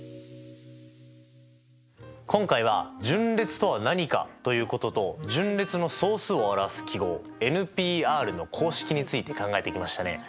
今回は順列とは何かということと順列の総数を表す記号Ｐの公式について考えてきましたね。